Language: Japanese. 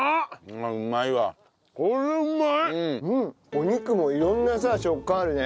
お肉も色んなさ食感あるね。